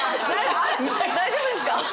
大丈夫ですか！？